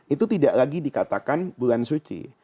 itu tidak lagi dikatakan bulan suci